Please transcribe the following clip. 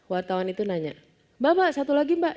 wartawan itu nanya mbak mbak satu lagi mbak